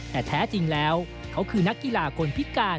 แต่แท้จริงแล้วเขาคือนักกีฬาคนพิการ